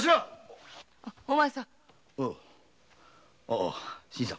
ああ新さん。